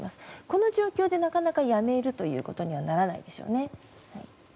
この状況でなかなかやめることにはならないでしょうね。